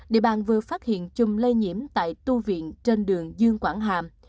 địa bàn vừa phát hiện chùm lây nhiễm tại tu viện trên đường dương quảng hàm